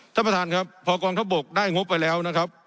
ท่านประธานครับพอกองทัพบกได้งบไปแล้วนะครับ